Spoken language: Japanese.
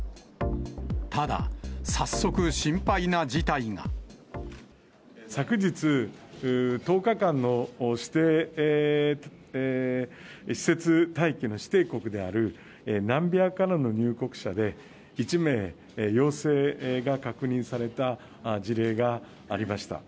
ただ、昨日、１０日間の指定施設待機の指定国であるナミビアからの入国者で、１名、陽性が確認された事例がありました。